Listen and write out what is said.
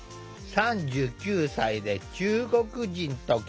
３９歳で中国人と結婚。